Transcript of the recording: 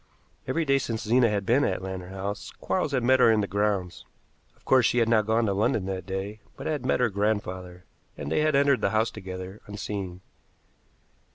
Every day since Zena had been at Lantern House Quarles had met her in the grounds. Of course she had not gone to London that day, but had met her grandfather, and they had entered the house together, unseen.